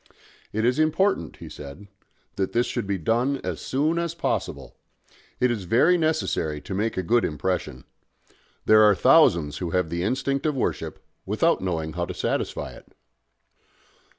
"It is important," he said, "that this should be done as soon as possible. It is very necessary to make a good impression. There are thousands who have the instinct of worship, without knowing how to satisfy it."